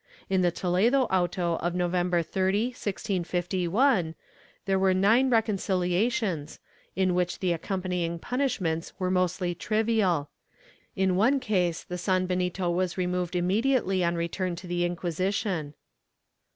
In the Toledo auto of November 30, 1651, there were nine reconciliations, in which the accompanying punishments were mostly trivial — in one case the sanbenito was removed immediately on return to the Inquisition.